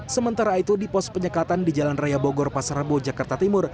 sementara itu di pos penyekatan di jalan raya bogor pasar rebo jakarta timur